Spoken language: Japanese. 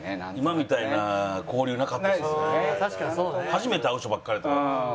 初めて会う人ばっかりやったから。